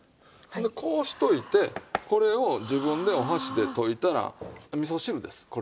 ほんでこうしておいてこれを自分でお箸で溶いたら味噌汁です